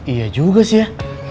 iya juga sih ya